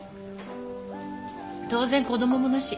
当然子供もなし。